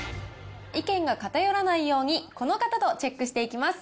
意見が偏らないように、この方とチェックしていきます。